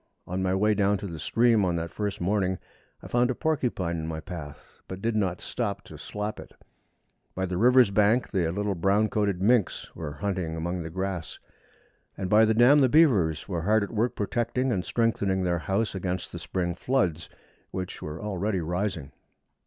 On my way down to the stream on that first morning, I found a porcupine in my path, but did not stop to slap it. By the river's bank the little brown coated minks were hunting among the grass, and by the dam the beavers were hard at work protecting and strengthening their house against the spring floods, which were already rising.